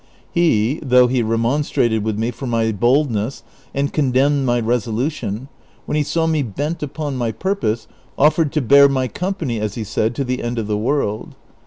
He, though he remonstrated with me for my boldness, and condemned my resolu tion, when he saw me bent upon my purpose, offered to bear my company, as he said, to the end of the world.